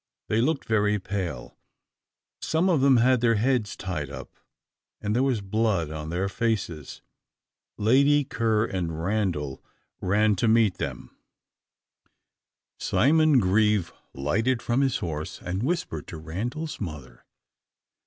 They looked very pale; some of them had their heads tied up, and there was blood on their faces. Lady Ker and Randal ran to meet them. Simon Grieve lighted from his horse, and whispered to Randal's mother.